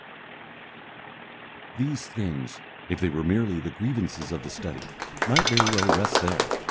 These things, if they were merely the grievances of the study, might very well rest there.